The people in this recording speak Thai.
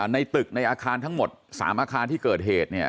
ในตึกในอาคารทั้งหมด๓อาคารที่เกิดเหตุเนี่ย